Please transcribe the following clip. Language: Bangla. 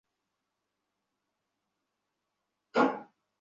এটা আমার ডিউটি, স্যার।